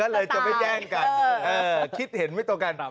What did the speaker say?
ก็เลยจะไม่แย่งกัน